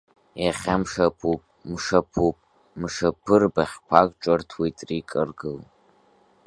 Иахьа мшаԥуп, мшаԥуп, мшаԥы, Рбаӷьқәак ҿырҭуеит рика ргыл.